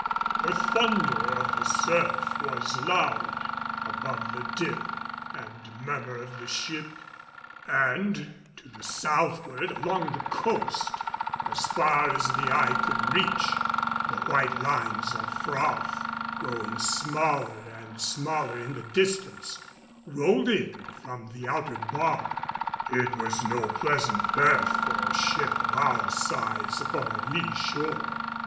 The thunder of the surf was loud above the dip and murmur of the ship, and to the southward along the coast as far as the eye could reach the white lines of froth, growing smaller and smaller in the distance, rolled in from the outer bar. It was no pleasant berth for a ship of our size upon a lee shore.